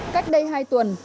cách đây hai tuần